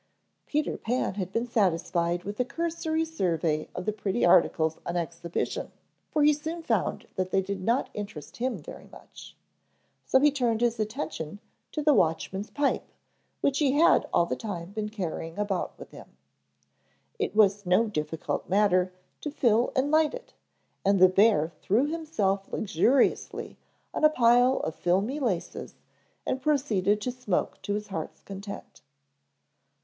Peter Pan had been satisfied with a cursory survey of the pretty articles on exhibition, for he soon found that they did not interest him very much. So he soon turned his attention to the watchman's pipe which he had all the time been carrying about with him. It was no difficult matter to fill and light it and the bear threw himself luxuriously on a pile of filmy laces and proceeded to smoke to his heart's content.